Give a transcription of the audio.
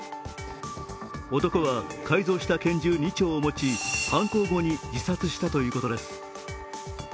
男は改造した拳銃２丁を持ち犯行後に自殺したということです。